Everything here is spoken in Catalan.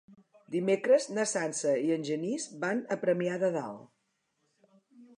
Dimecres na Sança i en Genís van a Premià de Dalt.